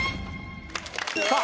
さあ。